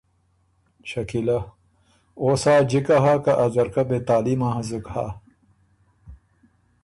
شکیلۀ: او سا جِکه هۀ که ا ځرکۀ بې تعلیمه هنزُک هۀ۔